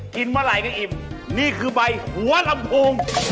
กินเมื่อไรก็อิ่มนี่คือใบหัวลำภูมิ